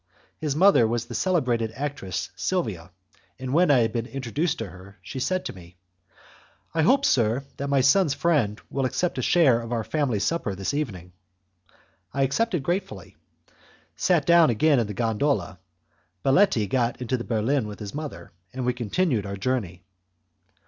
His mother was the celebrated actress Silvia, and when I had been introduced to her she said to me; "I hope, sir, that my son's friend will accept a share of our family supper this evening." I accepted gratefully, sat down again in the gondola, Baletti got into the berlin with his mother, and we continued our journey.